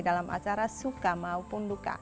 dalam acara suka maupun duka